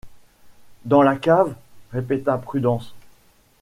Dans la cave! répéta Prudence.